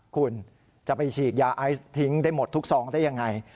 คุณจะไปฉีดยาไอซ์ทิ้งได้หมดทุกซองได้ยังไง